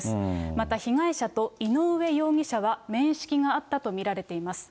また、被害者と井上容疑者は面識があったと見られています。